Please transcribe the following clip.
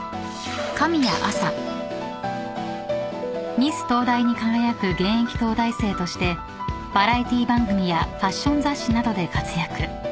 ［ミス東大に輝く現役東大生としてバラエティー番組やファッション雑誌などで活躍］